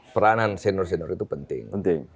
peranan senior senior itu penting